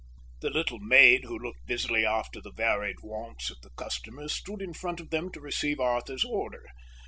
The little maid who looked busily after the varied wants of the customers stood in front of them to receive Arthur's order.